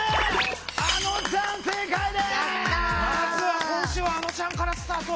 まずは今週はあのちゃんからスタート！